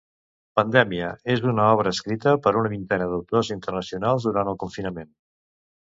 "Pandemia" es una obra escrita per una vintena d'autors internacionals durant el confinament.